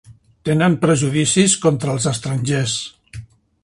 Tenen prejudicis contra els estrangers.